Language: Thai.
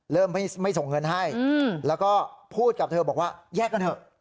เริ่มไม่ส่งเงินให้แล้วก็พูดกับเธอบอกว่าแยกกันเถอะ